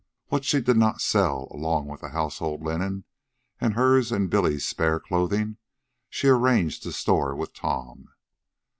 What she did not sell, along with the household linen and hers and Billy's spare clothing, she arranged to store with Tom.